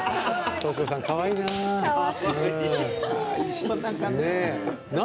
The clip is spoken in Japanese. トシ子さんかわいいな。